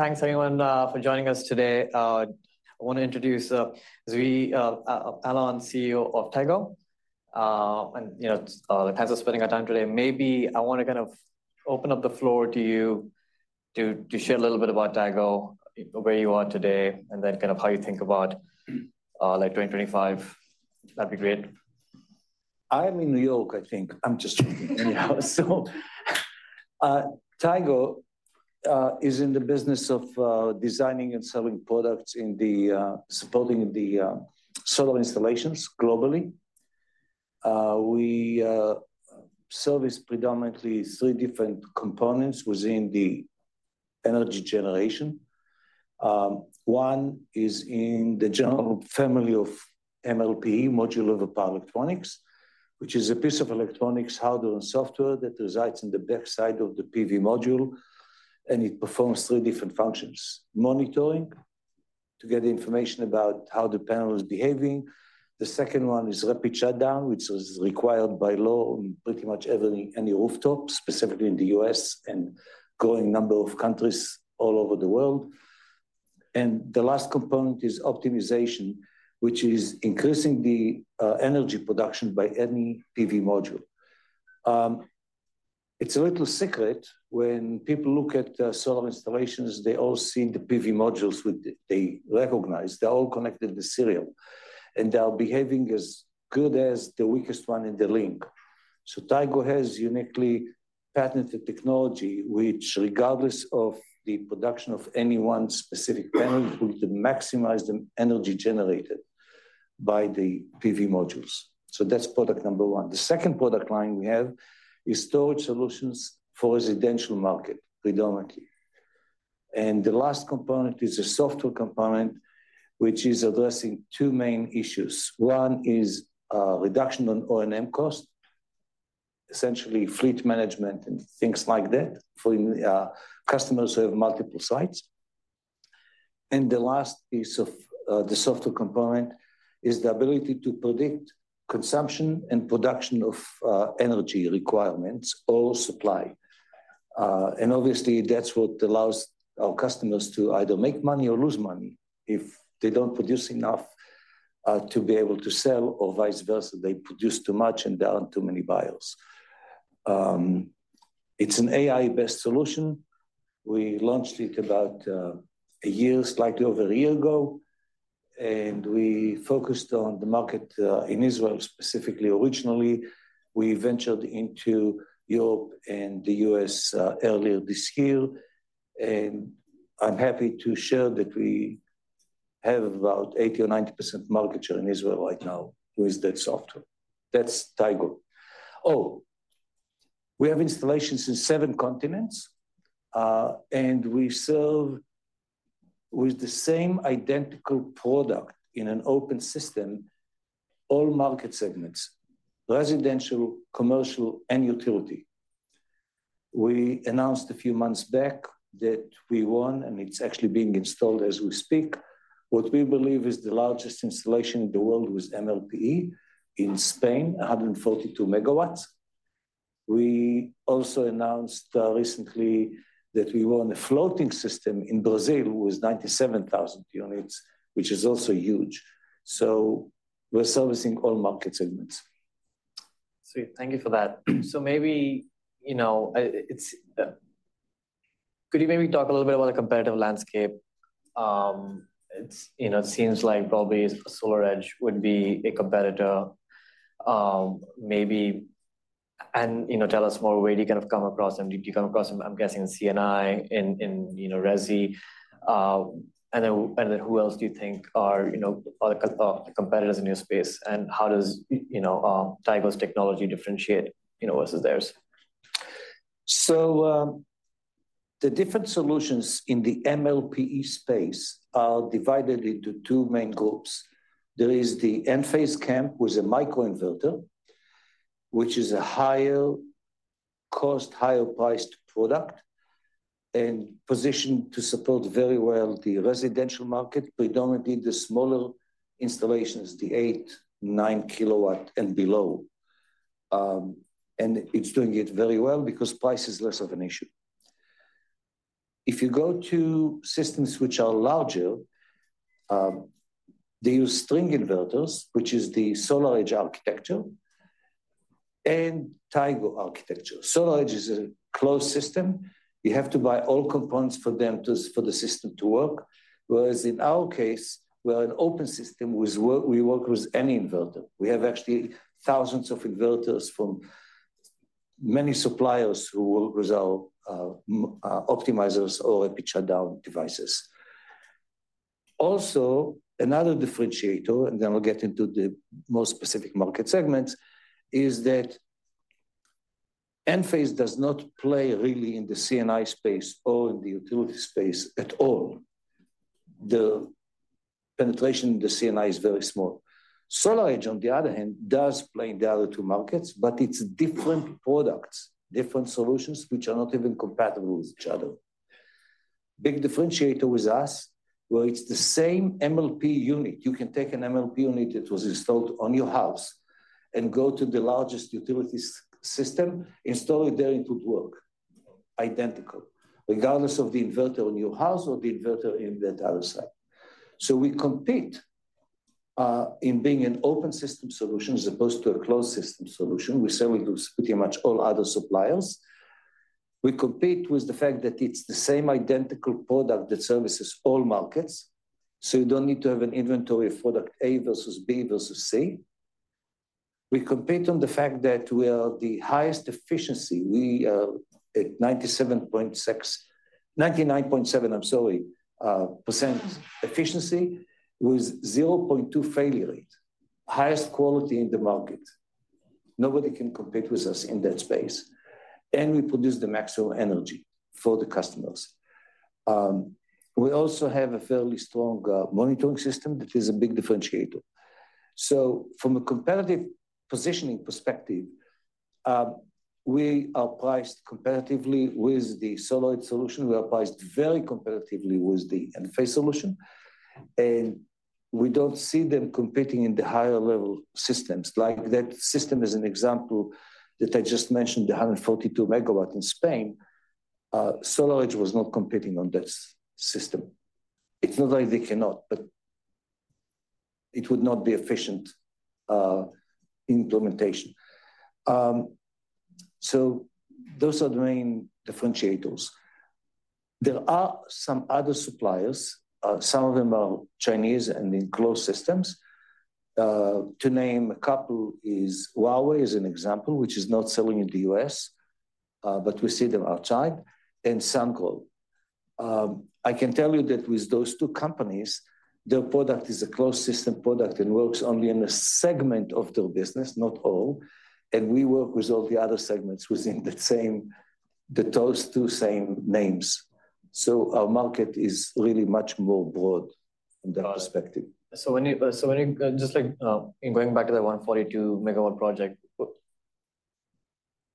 Thanks, everyone, for joining us today. I want to introduce Zvi Alon, CEO of Tigo. And to spend our time today, maybe I want to kind of open up the floor to you to share a little bit about Tigo, where you are today, and then kind of how you think about 2025. That'd be great. I'm in New York, I think. I'm just joking anyhow. So Tigo is in the business of designing and selling products in supporting the solar installations globally. We service predominantly three different components within the energy generation. One is in the general family of MLPE, Module-Level Power Electronics, which is a piece of electronics, hardware, and software that resides in the back side of the PV module. And it performs three different functions: monitoring to get information about how the panel is behaving. The second one is rapid shutdown, which is required by law in pretty much any rooftop, specifically in the U.S. and growing number of countries all over the world. And the last component is optimization, which is increasing the energy production by any PV module. It's a little secret. When people look at solar installations, they all see the PV modules with the recognized. They're all connected in series, and they're behaving as good as the weakest one in the link. So Tigo has uniquely patented technology, which, regardless of the production of any one specific panel, will maximize the energy generated by the PV modules. So that's product number one. The second product line we have is storage solutions for residential market, predominantly. And the last component is a software component, which is addressing two main issues. One is reduction on O&M cost, essentially fleet management and things like that for customers who have multiple sites. And the last piece of the software component is the ability to predict consumption and production of energy requirements or supply. And obviously, that's what allows our customers to either make money or lose money if they don't produce enough to be able to sell or vice-versa. They produce too much and there aren't too many buyers. It's an AI-based solution. We launched it about a year, slightly over a year ago, and we focused on the market in Israel, specifically. Originally, we ventured into Europe and the U.S. earlier this year, and I'm happy to share that we have about 80% or 90% market share in Israel right now with that software. That's Tigo. Oh, we have installations in seven continents, and we serve with the same identical product in an open system, all market segments, residential, commercial, and utility. We announced a few months back that we won, and it's actually being installed as we speak. What we believe is the largest installation in the world with MLPE in Spain, 142 MW. We also announced recently that we won a floating system in Brazil with 97,000 units, which is also huge. We're servicing all market segments. Sweet. Thank you for that. So maybe could you maybe talk a little bit about the competitive landscape? It seems like probably SolarEdge would be a competitor, maybe. And tell us more, where do you kind of come across them? Do you come across, I'm guessing, C&I and Resi? And then who else do you think are the competitors in your space? And how does Tigo's technology differentiate versus theirs? The different solutions in the MLPE space are divided into two main groups. There is the Enphase camp with a microinverter, which is a higher cost, higher priced product and positioned to support very well the residential market, predominantly the smaller installations, the eight, nine kW and below. It's doing it very well because price is less of an issue. If you go to systems which are larger, they use string inverters, which is the SolarEdge architecture and Tigo architecture. SolarEdge is a closed system. You have to buy all components for them for the system to work. Whereas in our case, we're an open system where we work with any inverter. We have actually thousands of inverters from many suppliers who work with our optimizers or rapid shutdown devices. Also, another differentiator, and then we'll get into the more specific market segments, is that Enphase does not play really in the C&I space or in the utility space at all. The penetration in the C&I is very small. SolarEdge, on the other hand, does play in the other two markets, but it's different products, different solutions which are not even compatible with each other. Big differentiator with us, where it's the same MLPE unit. You can take an MLPE unit that was installed on your house and go to the largest utility system, install it there, it would work identical, regardless of the inverter on your house or the inverter on that other side. So we compete in being an open system solution as opposed to a closed system solution. We sell it to pretty much all other suppliers. We compete with the fact that it's the same identical product that services all markets. So you don't need to have an inventory of product A versus B versus C. We compete on the fact that we are the highest efficiency. We are at 97.6%, 99.7%, I'm sorry, percent efficiency with 0.2 failure rate, highest quality in the market. Nobody can compete with us in that space. And we produce the maximum energy for the customers. We also have a fairly strong monitoring system that is a big differentiator. So from a competitive positioning perspective, we are priced competitively with the SolarEdge solution. We are priced very competitively with the Enphase solution. And we don't see them competing in the higher level systems. Like that system is an example that I just mentioned, the 142-MW in Spain. SolarEdge was not competing on that system. It's not like they cannot, but it would not be efficient implementation, so those are the main differentiators. There are some other suppliers. Some of them are Chinese and in closed systems. To name a couple is Huawei as an example, which is not selling in the U.S., but we see them outside and Sungrow. I can tell you that with those two companies, their product is a closed system product and works only in a segment of their business, not all, and we work with all the other segments within the same those two same names. So our market is really much more broad in that perspective. When you just going back to the 142-MW project,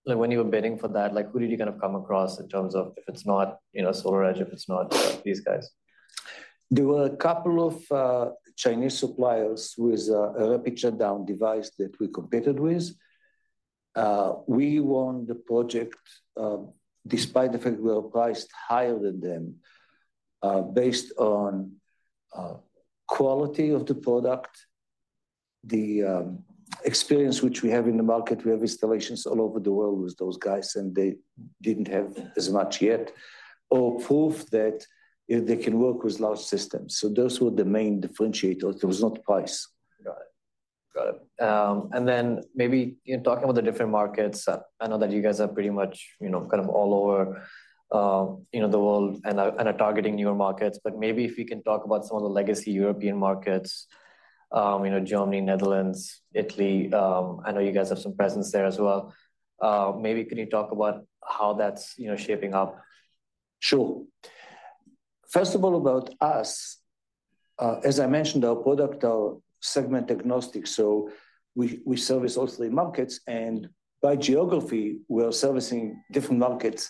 when you were bidding for that, who did you kind of come across in terms of if it's not SolarEdge, if it's not these guys? There were a couple of Chinese suppliers with a rapid shutdown device that we competed with. We won the project despite the fact we were priced higher than them based on quality of the product, the experience which we have in the market. We have installations all over the world with those guys, and they didn't have as much yet or proof that they can work with large systems. So those were the main differentiators. It was not price. Got it. Got it. And then maybe talking about the different markets, I know that you guys are pretty much kind of all over the world and are targeting newer markets. But maybe if we can talk about some of the legacy European markets, Germany, Netherlands, Italy, I know you guys have some presence there as well. Maybe can you talk about how that's shaping up? Sure. First of all, about us, as I mentioned, our product segment agnostic. So we service all three markets, and by geography, we're servicing different markets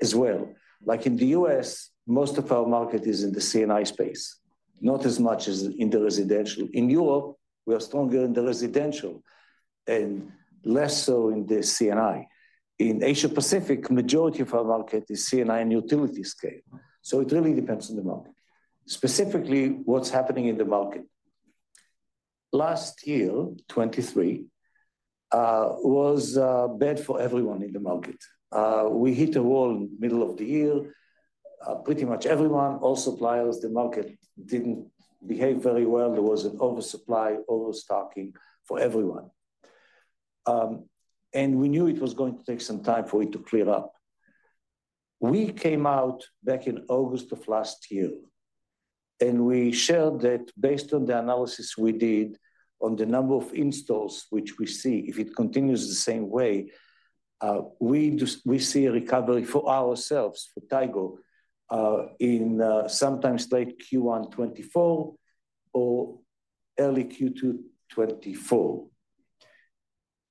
as well. Like in the U.S., most of our market is in the C&I space, not as much as in the residential. In Europe, we are stronger in the residential and less so in the C&I. In Asia-Pacific, the majority of our market is C&I and utility scale. So it really depends on the market, specifically what's happening in the market. Last year, 2023, was bad for everyone in the market. We hit a wall in the middle of the year. Pretty much everyone, all suppliers. The market didn't behave very well. There was an oversupply, overstocking for everyone, and we knew it was going to take some time for it to clear up. We came out back in August of last year, and we shared that based on the analysis we did on the number of installs which we see, if it continues the same way, we see a recovery for ourselves, for Tigo, in sometimes late Q1 2024 or early Q2 2024.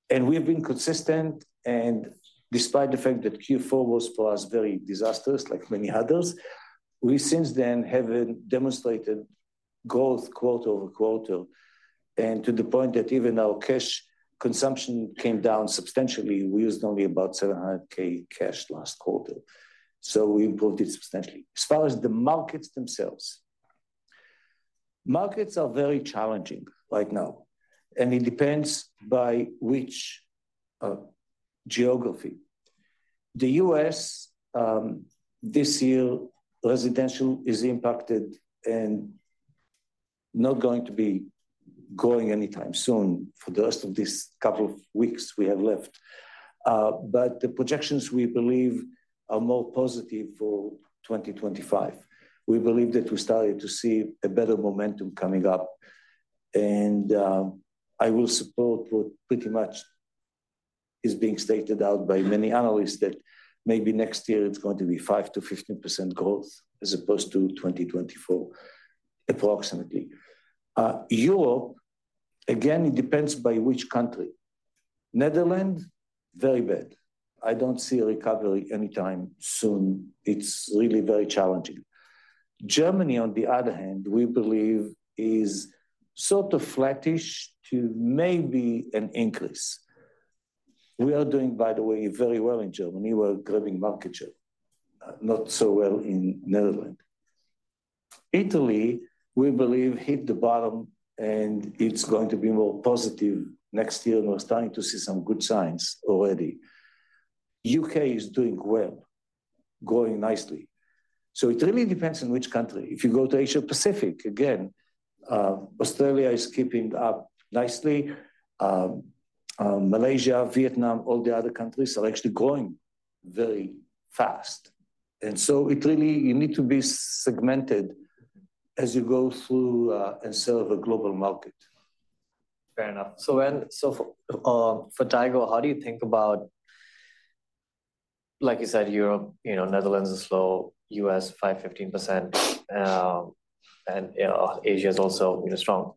And we have been consistent. And despite the fact that Q4 was for us very disastrous, like many others, we since then have demonstrated growth quarter-over-quarter. And to the point that even our cash consumption came down substantially. We used only about $700,000 cash last quarter. So we improved it substantially. As far as the markets themselves, markets are very challenging right now. And it depends by which geography. The U.S. this year, residential is impacted and not going to be growing anytime soon for the rest of this couple of weeks we have left. The projections we believe are more positive for 2025. We believe that we started to see a better momentum coming up. I will support what pretty much is being stated out by many analysts that maybe next year it's going to be 5%-15% growth as opposed to 2024, approximately. Europe, again, it depends by which country. Netherlands, very bad. I don't see a recovery anytime soon. It's really very challenging. Germany, on the other hand, we believe is sort of flattish to maybe an increase. We are doing, by the way, very well in Germany. We're grabbing market share, not so well in Netherlands. Italy, we believe, hit the bottom, and it's going to be more positive next year. And we're starting to see some good signs already. U.K. is doing well, growing nicely. It really depends on which country. If you go to Asia-Pacific, again, Australia is keeping up nicely. Malaysia, Vietnam, all the other countries are actually growing very fast. And so it really, you need to be segmented as you go through and serve a global market. Fair enough. So for Tigo, how do you think about, like you said, Europe, Netherlands is slow, U.S. 5%-15%, and Asia is also strong.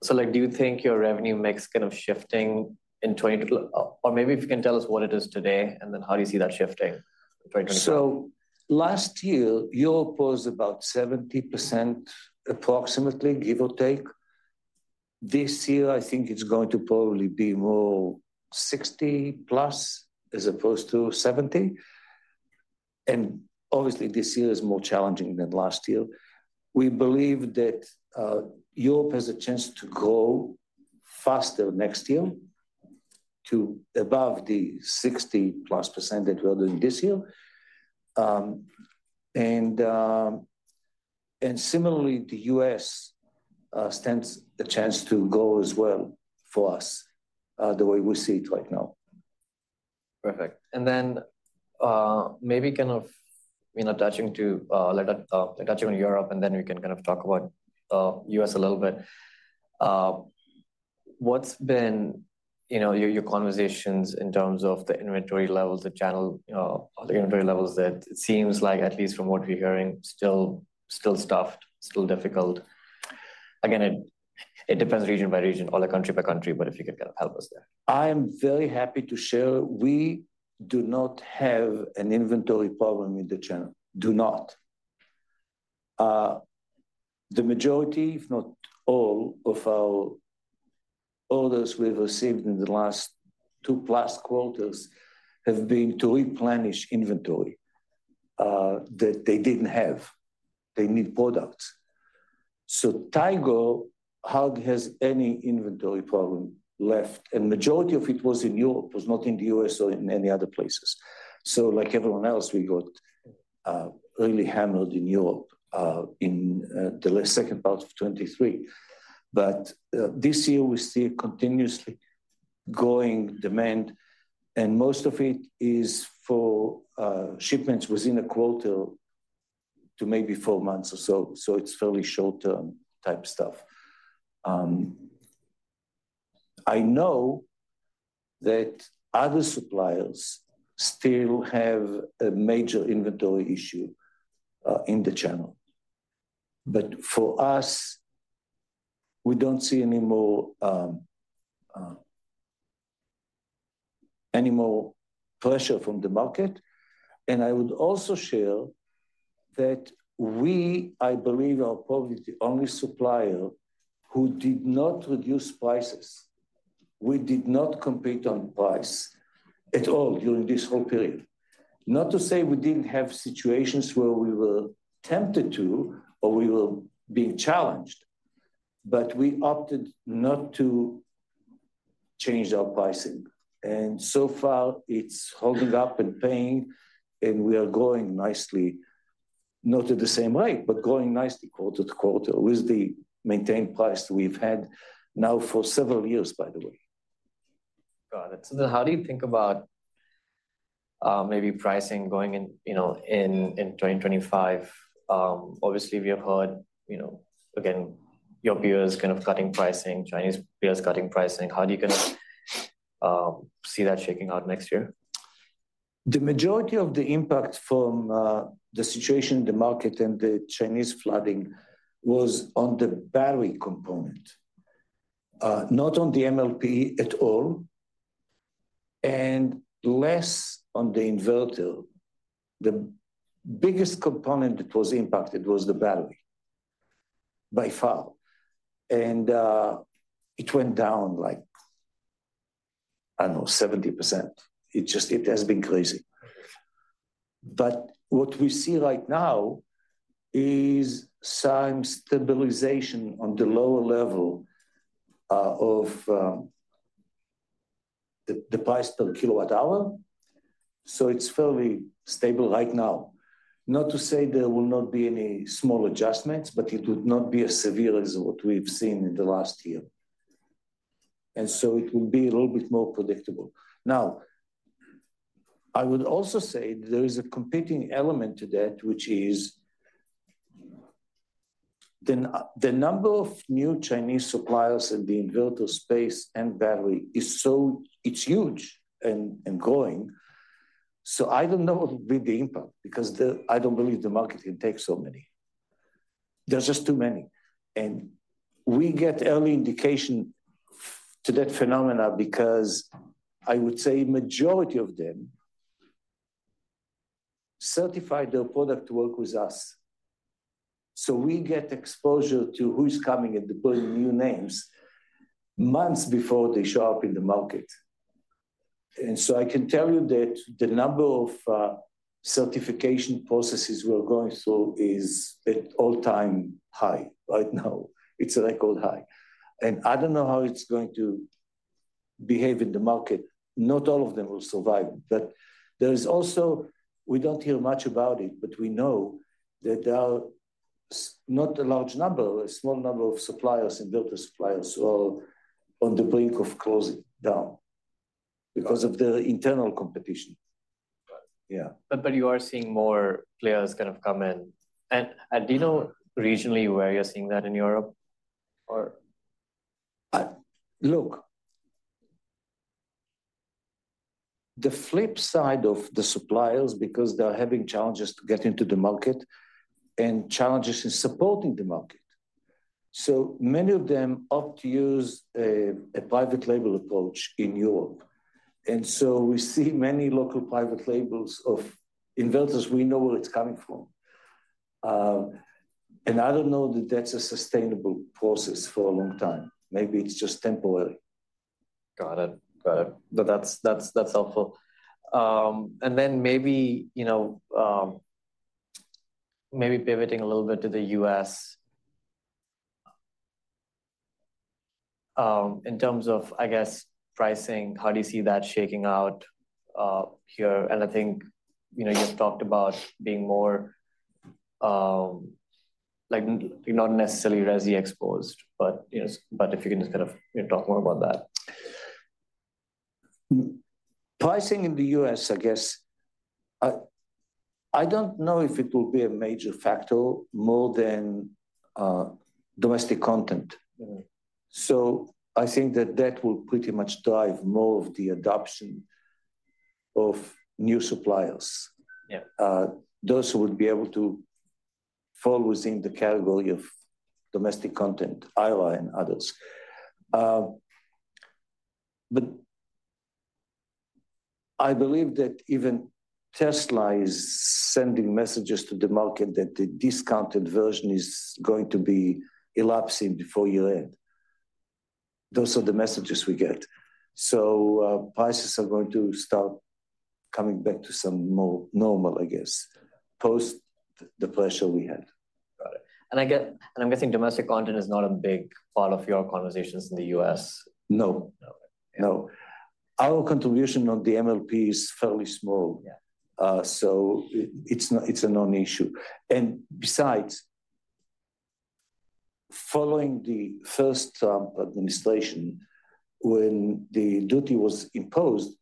But so do you think your revenue mix kind of shifting in 2022? Or maybe if you can tell us what it is today and then how do you see that shifting in 2024? So last year, Europe was about 70%, approximately, give or take. This year, I think it's going to probably be more 60% plus as opposed to 70%. And obviously, this year is more challenging than last year. We believe that Europe has a chance to grow faster next year to above the 60+ % that we are doing this year. And similarly, the U.S. stands a chance to grow as well for us the way we see it right now. Perfect. And then maybe kind of touching on Europe and then we can kind of talk about the U.S. a little bit. What's been your conversations in terms of the inventory levels, the channel, the inventory levels that it seems like, at least from what we're hearing, still stuffed, still difficult? Again, it depends, region by region, or country by country, but if you could kind of help us there. I am very happy to share. We do not have an inventory problem in the channel. Do not. The majority, if not all, of our orders we've received in the last two plus quarters have been to replenish inventory that they didn't have. They need products. So Tigo, hardly has any inventory problem left, and majority of it was in Europe, was not in the U.S. or in any other places, so like everyone else, we got really hammered in Europe in the second part of 2023, but this year, we see continuously growing demand. And most of it is for shipments within a quarter to maybe four months or so. So it's fairly short-term type stuff. I know that other suppliers still have a major inventory issue in the channel, but for us, we don't see any more pressure from the market. I would also share that we, I believe, are probably the only supplier who did not reduce prices. We did not compete on price at all during this whole period. Not to say we didn't have situations where we were tempted to or we were being challenged, but we opted not to change our pricing. So far, it's holding up and paying, and we are growing nicely, not at the same rate, but growing nicely quarter-to-quarter with the maintained price we've had now for several years, by the way. Got it. So then how do you think about maybe pricing going in 2025? Obviously, we have heard, again, European is kind of cutting pricing, Chinese is cutting pricing. How do you kind of see that shaking out next year? The majority of the impact from the situation, the market, and the Chinese flooding was on the battery component, not on the MLPE at all, and less on the inverter. The biggest component that was impacted was the battery by far, and it went down like, I don't know, 70%. It has been crazy, but what we see right now is some stabilization on the lower level of the price per kWh, so it's fairly stable right now. Not to say there will not be any small adjustments, but it would not be as severe as what we've seen in the last year, and so it will be a little bit more predictable. Now, I would also say that there is a competing element to that, which is the number of new Chinese suppliers in the inverter space and battery is so huge and growing. I don't know what would be the impact because I don't believe the market can take so many. There's just too many. And we get early indication to that phenomena because I would say majority of them certify their product to work with us. So we get exposure to who's coming and deploying new names months before they show up in the market. And so I can tell you that the number of certification processes we're going through is at all-time high right now. It's a record high. And I don't know how it's going to behave in the market. Not all of them will survive. But there is also, we don't hear much about it, but we know that there are not a large number, a small number of suppliers, inverter suppliers who are on the brink of closing down because of their internal competition. But you are seeing more players kind of come in. And do you know regionally where you're seeing that in Europe? Look, the flip side of the suppliers, because they're having challenges to get into the market and challenges in supporting the market. So many of them opt to use a private label approach in Europe. And so we see many local private labels of inverters we know where it's coming from. And I don't know that that's a sustainable process for a long time. Maybe it's just temporary. Got it. Got it. That's helpful. And then maybe pivoting a little bit to the U.S. in terms of, I guess, pricing, how do you see that shaking out here? And I think you've talked about being more not necessarily Resi exposed, but if you can just kind of talk more about that. Pricing in the U.S., I guess, I don't know if it will be a major factor more than domestic content. So I think that that will pretty much drive more of the adoption of new suppliers, those who would be able to fall within the category of domestic content, ROI and others. But I believe that even Tesla is sending messages to the market that the discounted version is going to be lapsing before year-end. Those are the messages we get. So prices are going to start coming back to some more normal, I guess, post the pressure we had. Got it. And I'm guessing domestic content is not a big part of your conversations in the U.S. No. No. Our contribution on the MLP is fairly small. So it's a non-issue. And besides, following the first Trump administration, when the duty was imposed,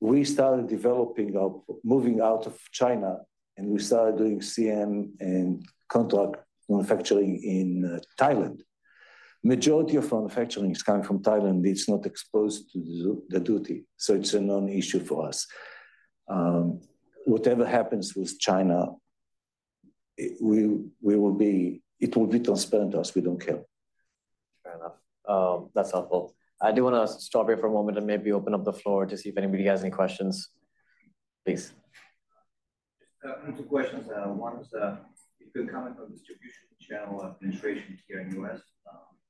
we started developing up, moving out of China, and we started doing CM and contract manufacturing in Thailand. Majority of manufacturing is coming from Thailand. It's not exposed to the duty. So it's a non-issue for us. Whatever happens with China, it will be transparent to us. We don't care. Fair enough. That's helpful. I do want to stop here for a moment and maybe open up the floor to see if anybody has any questions, please. Just two questions. One is if you're coming from distribution channel administration here in the U.S.,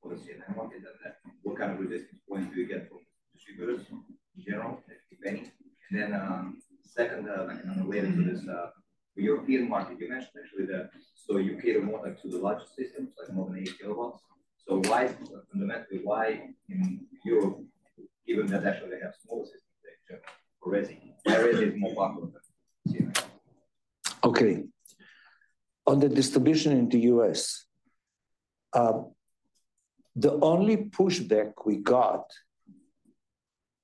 what is the kind of resistance points do you get from distributors in general, if any? And then second, related to this European market, you mentioned actually that so you cater more to the larger systems, like more than eight kW. So fundamentally, why in Europe, given that actually they have smaller systems for Resi, why Resi is more popular than C&I? Okay. On the distribution in the U.S., the only pushback we got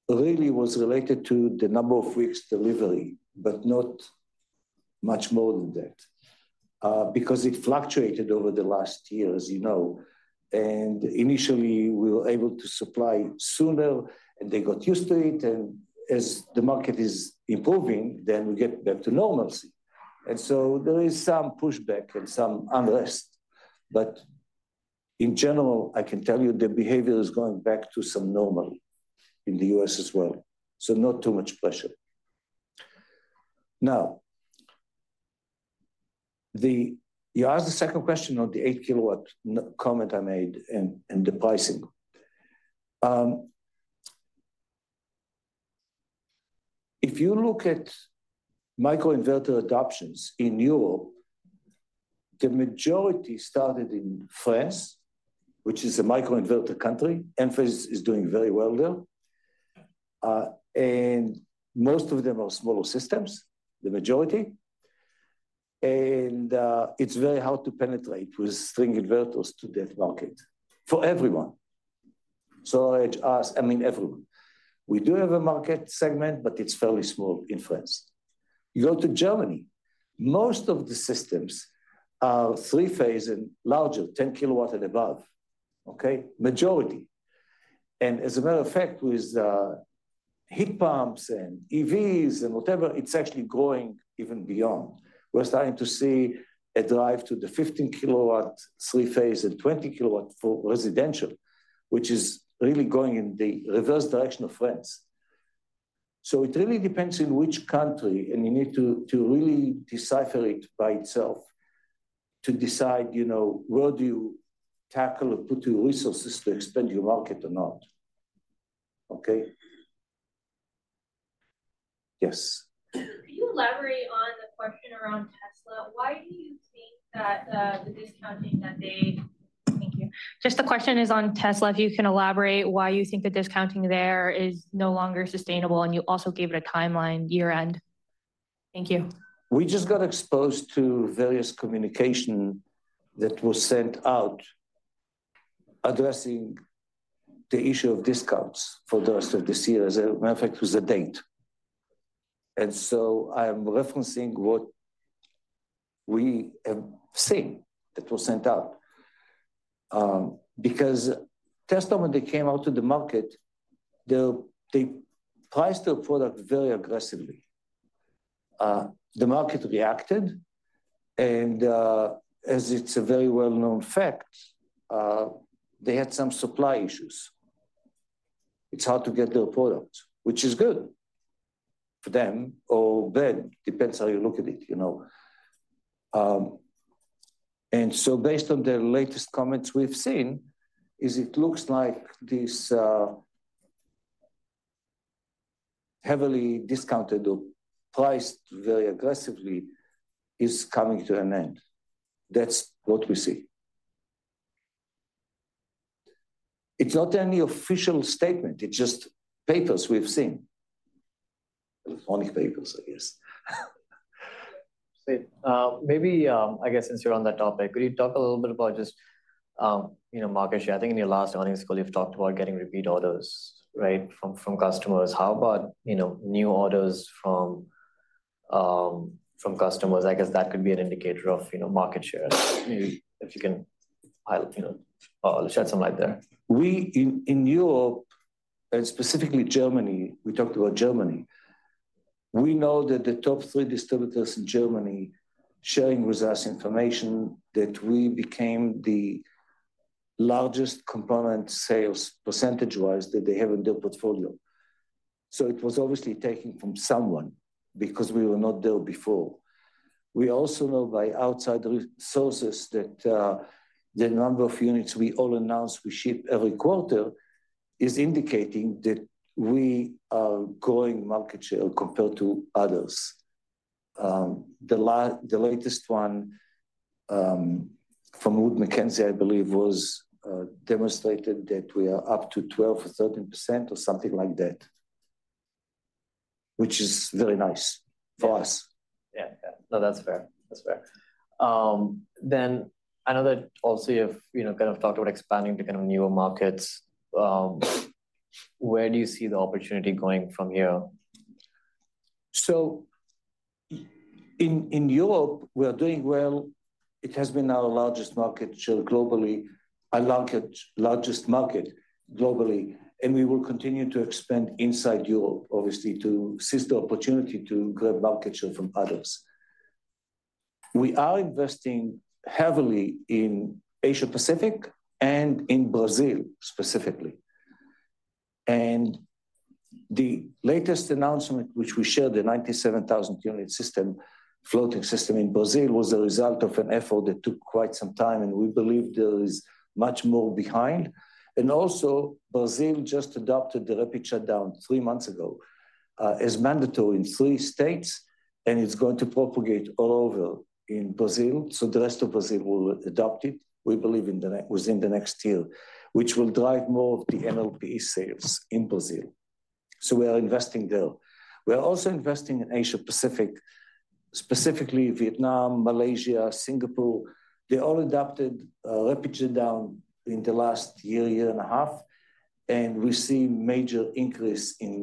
really was related to the number of weeks' delivery, but not much more than that, because it fluctuated over the last year, as you know. And initially, we were able to supply sooner, and they got used to it. And as the market is improving, then we get back to normalcy. And so there is some pushback and some unrest. But in general, I can tell you the behavior is going back to some normal in the U.S. as well. So not too much pressure. Now, you asked the second question on the eight kW comment I made and the pricing. If you look at microinverter adoptions in Europe, the majority started in France, which is a microinverter country. Enphase is doing very well there. And most of them are smaller systems, the majority. And it's very hard to penetrate with string inverters to that market for everyone. So I mean, everyone. We do have a market segment, but it's fairly small in France. You go to Germany, most of the systems are three-phase and larger, 10 kW and above, okay? Majority. And as a matter of fact, with heat pumps and EVs and whatever, it's actually growing even beyond. We're starting to see a drive to the 15 kW three-phase and 20 kW for residential, which is really going in the reverse direction of France. So it really depends in which country, and you need to really decipher it by itself to decide where do you tackle and put your resources to expand your market or not, okay? Yes. Can you elaborate on the question around Tesla? Why do you think that the discounting that they. Thank you. Just the question is on Tesla, if you can elaborate why you think the discounting there is no longer sustainable, and you also gave it a timeline year-end. Thank you. We just got exposed to various communications that were sent out addressing the issue of discounts for the rest of this year. As a matter of fact, it was dated. And so I'm referencing what we have seen that was sent out. Because Tesla, when they came out to the market, they priced their product very aggressively. The market reacted. And as it's a very well-known fact, they had some supply issues. It's hard to get their products, which is good for them or bad. It depends how you look at it. And so based on the latest comments we've seen, it looks like this heavily discounted or priced very aggressively is coming to an end. That's what we see. It's not any official statement. It's just papers we've seen, electronic papers, I guess. Maybe, I guess, since you're on that topic, could you talk a little bit about just market share? I think in your last earnings call, you've talked about getting repeat orders, right, from customers. How about new orders from customers? I guess that could be an indicator of market share. If you can, I'll shed some light there. In Europe, and specifically Germany, we talked about Germany. We know that the top three distributors in Germany are sharing with us information that we became the largest component sales percentage-wise that they have in their portfolio. So it was obviously taken from someone because we were not there before. We also know by outside sources that the number of units we all announce we ship every quarter is indicating that we are growing market share compared to others. The latest one from Wood Mackenzie, I believe, demonstrated that we are up to 12% or 13% or something like that, which is very nice for us. Yeah. Yeah. No, that's fair. That's fair. Then I know that also you've kind of talked about expanding to kind of newer markets. Where do you see the opportunity going from here? So in Europe, we're doing well. It has been our largest market share globally, our largest market globally. And we will continue to expand inside Europe, obviously, to seize the opportunity to grab market share from others. We are investing heavily in Asia-Pacific and in Brazil specifically. And the latest announcement, which we shared, the 97,000-unit floating system in Brazil, was the result of an effort that took quite some time. And we believe there is much more behind. And also, Brazil just adopted the rapid shutdown three months ago as mandatory in three states. And it's going to propagate all over in Brazil. So the rest of Brazil will adopt it, we believe, within the next year, which will drive more of the MLPE sales in Brazil. So we are investing there. We are also investing in Asia-Pacific, specifically Vietnam, Malaysia, Singapore. They all adopted rapid shutdown in the last year, year and a half. We see a major increase in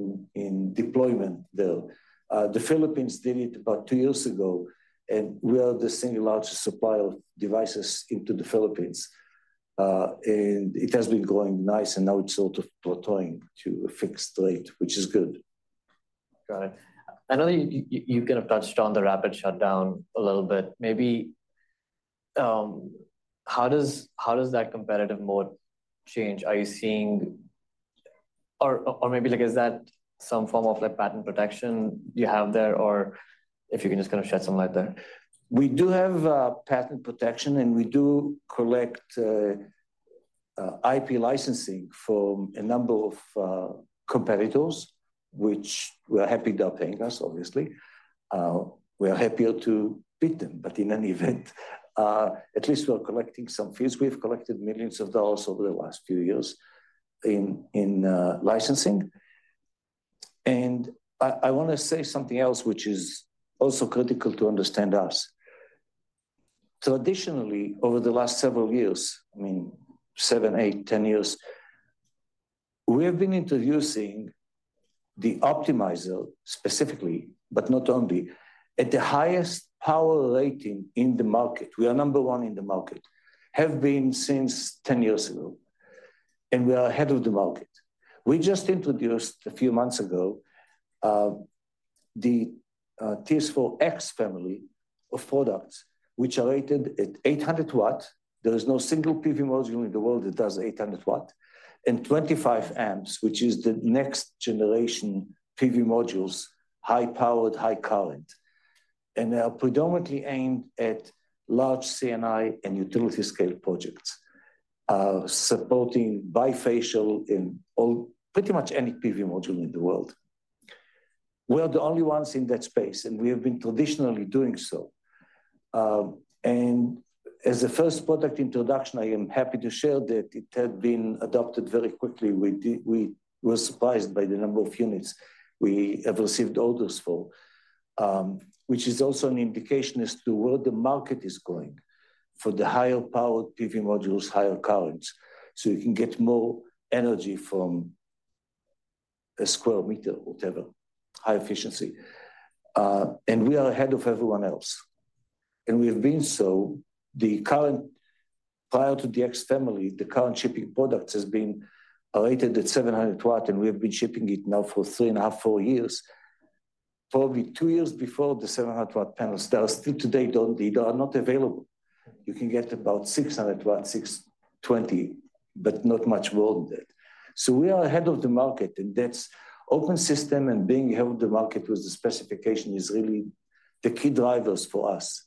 deployment there. The Philippines did it about two years ago. We are the single largest supplier of devices into the Philippines. It has been growing nice. Now it's sort of plateauing to a fixed rate, which is good. Got it. I know you've kind of touched on the rapid shutdown a little bit. Maybe how does that competitive mode change? Are you seeing, or maybe is that some form of patent protection you have there, or if you can just kind of shed some light there? We do have patent protection. And we do collect IP licensing from a number of competitors, which we're happy they're paying us, obviously. We are happier to beat them, but in any event, at least we're collecting some fees. We've collected millions of dollars over the last few years in licensing. And I want to say something else, which is also critical to understand us. Traditionally, over the last several years, I mean, seven, eight, 10 years, we have been introducing the optimizer specifically, but not only, at the highest power rating in the market. We are number one in the market, have been since 10 years ago. And we are ahead of the market. We just introduced a few months ago the TS4-X family of products, which are rated at 800 W. There is no single PV module in the world that does 800 W and 25 amps, which is the next generation PV modules, high powered, high current, and they are predominantly aimed at large C&I and utility scale projects, supporting bifacial in pretty much any PV module in the world. We are the only ones in that space, and we have been traditionally doing so, and as a first product introduction, I am happy to share that it had been adopted very quickly. We were surprised by the number of units we have received orders for, which is also an indication as to where the market is going for the higher powered PV modules, higher currents, so you can get more energy from a square meter, whatever, high efficiency, and we are ahead of everyone else, and we have been so. Prior to the TS4-X family, the current shipping product has been rated at 700 W. And we have been shipping it now for three and a half, four years, probably two years before the 700 W panels. They are still today, they are not available. You can get about 600 W, 620 W, but not much more than that. So we are ahead of the market. And that's open system. And being ahead of the market with the specification is really the key drivers for us.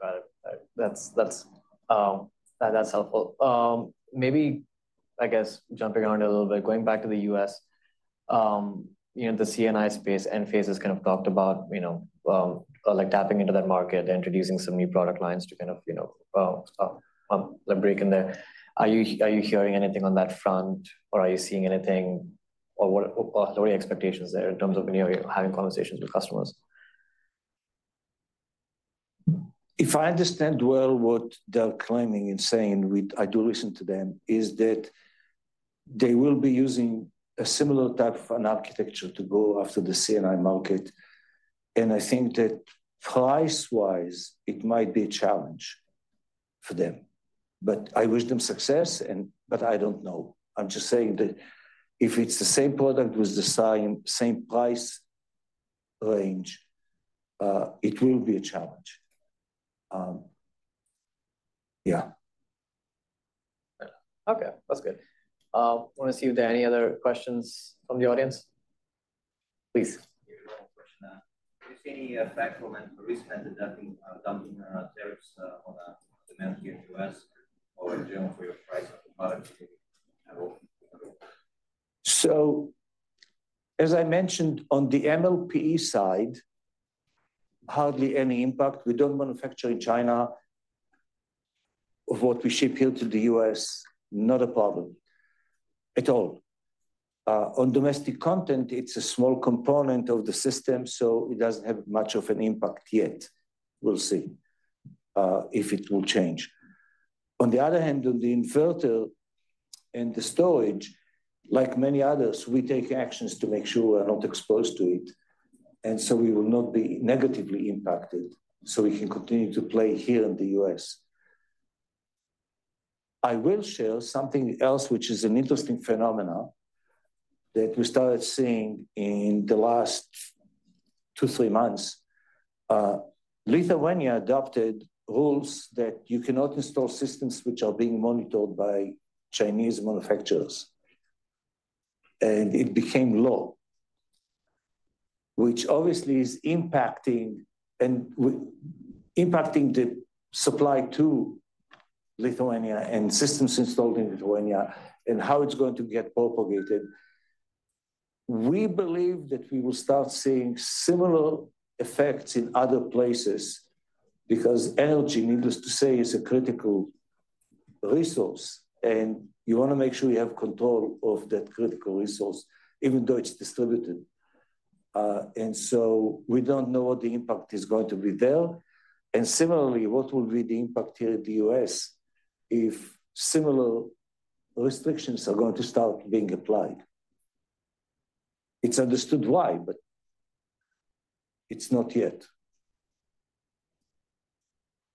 Got it. That's helpful. Maybe, I guess, jumping on it a little bit, going back to the U.S., the C&I space, Enphase has kind of talked about tapping into that market, introducing some new product lines to kind of break in there. Are you hearing anything on that front, or are you seeing anything, or what are your expectations there in terms of having conversations with customers? If I understand well what they're claiming and saying, I do listen to them, is that they will be using a similar type of an architecture to go after the C&I market, and I think that price-wise, it might be a challenge for them, but I wish them success, but I don't know. I'm just saying that if it's the same product with the same price range, it will be a challenge. Yeah. Okay. That's good. I want to see if there are any other questions from the audience. Please. Do you see any facts or risk that is dumping tariffs on the manufacturer in the U.S. or in general for your price of the product? As I mentioned, on the MLPE side, hardly any impact. We don't manufacture in China. Of what we ship here to the U.S., not a problem at all. On domestic content, it's a small component of the system. So it doesn't have much of an impact yet. We'll see if it will change. On the other hand, on the inverter and the storage, like many others, we take actions to make sure we're not exposed to it. And so we will not be negatively impacted. So we can continue to play here in the U.S. I will share something else, which is an interesting phenomenon that we started seeing in the last two, three months. Lithuania adopted rules that you cannot install systems which are being monitored by Chinese manufacturers. And it became law, which obviously is impacting the supply to Lithuania and systems installed in Lithuania and how it's going to get propagated. We believe that we will start seeing similar effects in other places because energy, needless to say, is a critical resource. And you want to make sure you have control of that critical resource, even though it's distributed. And so we don't know what the impact is going to be there. And similarly, what will be the impact here in the U.S. if similar restrictions are going to start being applied? It's understood why, but it's not yet.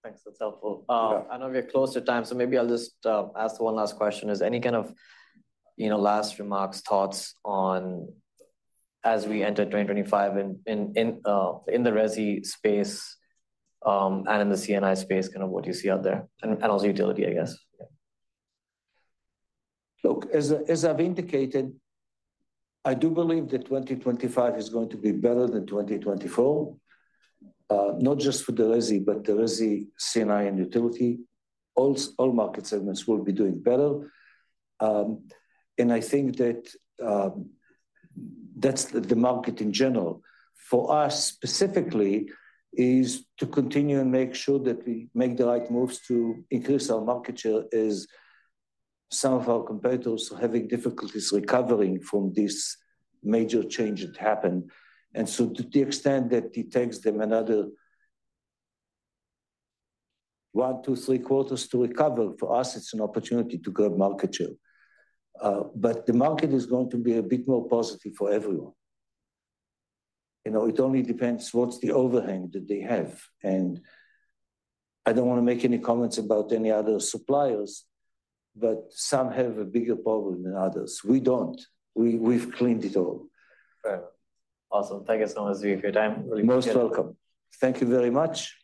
Thanks. That's helpful. I know we're close to time. So maybe I'll just ask one last question. Is there any kind of last remarks, thoughts on, as we enter 2025 in the Resi space and in the C&I space, kind of what you see out there and also utility, I guess? Look, as I've indicated, I do believe that 2025 is going to be better than 2024, not just for the Resi, but the Resi, C&I, and utility. All market segments will be doing better, and I think that that's the market in general. For us specifically, is to continue and make sure that we make the right moves to increase our market share as some of our competitors are having difficulties recovering from this major change that happened, and so to the extent that it takes them another one, two, three quarters to recover, for us, it's an opportunity to grab market share, but the market is going to be a bit more positive for everyone. It only depends what's the overhang that they have, and I don't want to make any comments about any other suppliers, but some have a bigger problem than others. We don't. We've cleaned it all. Awesome. Thank you so much, Zvi, for your time. Really appreciate it. Most welcome. Thank you very much.